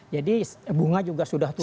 jadi bunga juga sudah turun